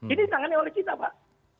ini ditangani oleh kita pak